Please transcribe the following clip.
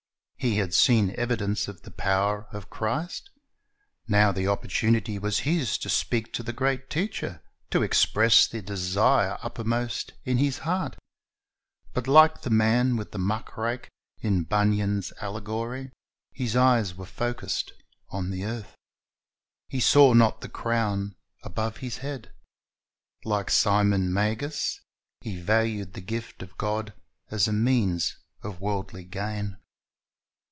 "^ He had seen evidence of the power of Christ. Now the opportunity was his to speak to the great Teacher, to express the desire uppermost in his heart. But like the man with the muck rake in Bunyan's allegory, his eyes were fixed on the earth. He saw not the crown above his head. Like Simon Magus, he valued the gift of God as a means of worldly gain.